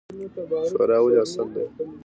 شورا ولې اصل دی؟